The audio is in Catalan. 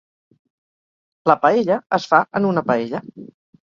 La paella es fa en una paella.